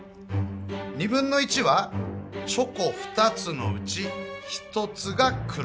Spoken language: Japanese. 1/2はチョコ２つのうち１つが黒。